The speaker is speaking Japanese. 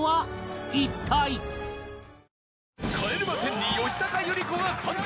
『帰れま１０』に吉高由里子が参戦！